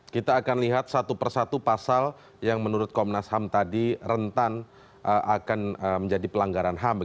kita akan lihat satu persatu pasal yang menurut komnas ham tadi rentan akan menjadi pelanggaran ham